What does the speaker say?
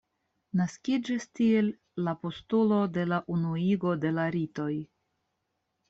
Naskiĝis tiel la postulo de la unuigo de la ritoj.